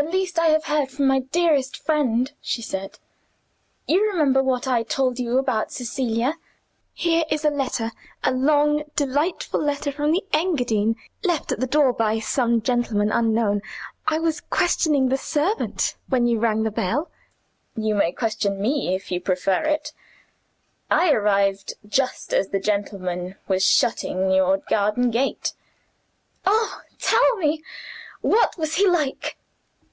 "At last, I have heard from my dearest friend," she said. "You remember what I told you about Cecilia? Here is a letter a long delightful letter from the Engadine, left at the door by some gentleman unknown. I was questioning the servant when you rang the bell." "You may question me, if you prefer it. I arrived just as the gentleman was shutting your garden gate." "Oh, tell me! what was he like?"